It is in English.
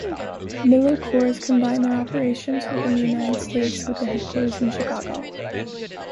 MillerCoors combined their operations within the United States with the headquarters in Chicago.